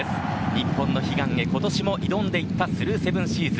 日本の悲願へ今年も挑んでいったスルーセブンシーズ。